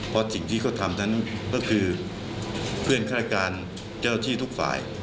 เพราะสิ่งที่เขาทำนั้นก็คือเพื่อนฆาตการเจ้าที่ทุกฝ่าย